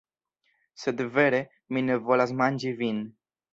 Sed vere, mi ne volas manĝi vin.